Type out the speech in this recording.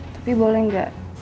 tapi boleh gak